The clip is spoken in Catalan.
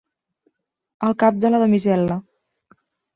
El cap de la damisel·la.